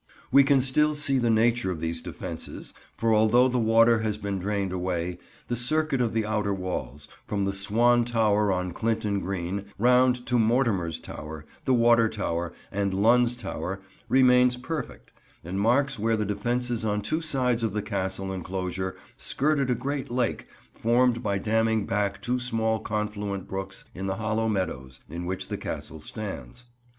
We can still see the nature of these defences, for although the water has been drained away, the circuit of the outer walls, from the Swan Tower on Clinton Green, round to Mortimer's Tower, the Water Tower, and Lunn's Tower remains perfect, and marks where the defences on two sides of the Castle enclosure skirted a great lake formed by damming back two small confluent brooks in the hollow meadows in which the Castle stands.